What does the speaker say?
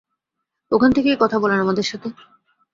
ওখান থেকেই কথা বলেন আমাদের সাথে!